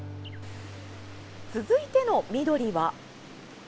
続いての緑は？